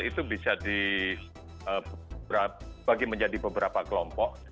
itu bisa dibagi menjadi beberapa kelompok